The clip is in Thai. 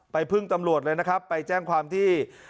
พึ่งตำรวจเลยนะครับไปแจ้งความที่